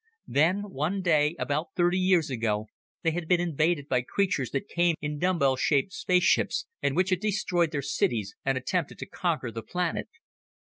Then one day, about thirty years ago, they had been invaded by creatures that came in dumbbell shaped spaceships, and which had destroyed their cities, and attempted to conquer the planet.